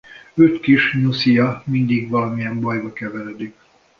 Öt kis nyuszija mindig valamilyen bajba keveredik.